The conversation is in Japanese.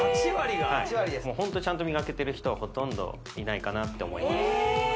はいもうホントちゃんと磨けてる人はほとんどいないかなって思いますええ